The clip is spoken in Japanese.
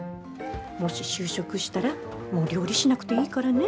もし就職したらもう料理しなくていいからね。